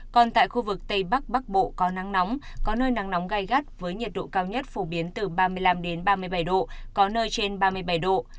còn tại khu vực tây bắc bắc bộ có nắng nóng có nơi nắng nóng gai gắt với nhiệt độ cao nhất phổ biến từ ba mươi năm ba mươi bảy độ có nơi trên ba mươi bảy độ